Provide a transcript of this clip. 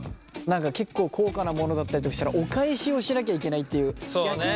何か結構高価な物だったりとかしたらお返しをしなきゃいけないっていう逆に。